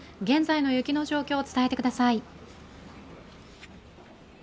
現在の雪の状況を伝えてください。